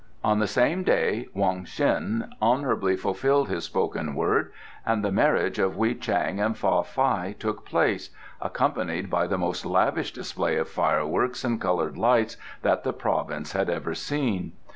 On the same day Wong Ts'in honourably fulfilled his spoken word and the marriage of Wei Chang and Fa Fai took place, accompanied by the most lavish display of fireworks and coloured lights that the province had ever seen.